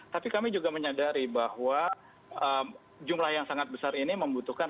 tapi kami juga menyadari bahwa jumlah yang sangat besar ini membutuhkan